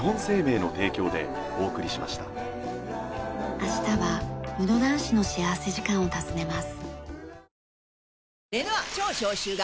明日は室蘭市の幸福時間を訪ねます。